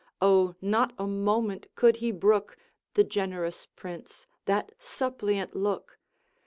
O, not a moment could he brook, The generous Prince, that suppliant look!